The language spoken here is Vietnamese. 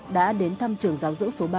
đã đến thăm trường giáo dưỡng số ba